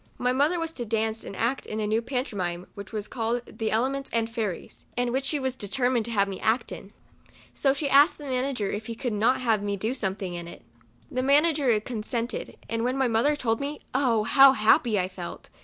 My mother was to dance and act in a new pantomime, which was called " The Elements and Fairies ;" and 58 MEMOIRS OF A which she was determined to have me act in. So she asked the manager if he could not have me do something in it. The manager consented, and when my mother told me, oh ! how happy I felt.